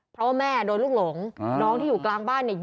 เพราะว่าแม่โดนลูกหลงน้องที่อยู่กลางบ้านเนี่ย